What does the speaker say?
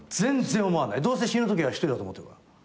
どうせ死ぬときは１人だと思ってるから。